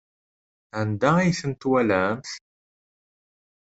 Anda ay ten-twalamt?